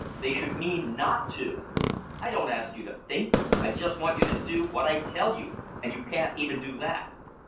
They should MEAN NOT TO! I don't ask you to think. I just want you to do what I tell you, and you can't even do that."